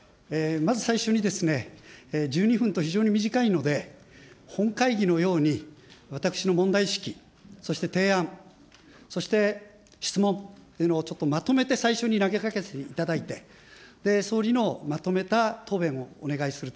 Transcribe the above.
まず最初に、１２分と非常に短いので、本会議のように、私の問題意識、そして提案、そして質問というのをちょっとまとめて最初に投げかけさせていただいて、そして総理のまとめた答弁をお願いすると。